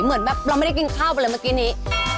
เหมือนแบบเราไม่ได้กินข้าวไปเลยเมื่อกี้นี้